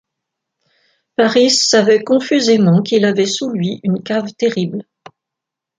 Paris savait confusément qu’il avait sous lui une cave terrible.